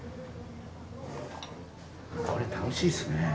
これ楽しいっすね。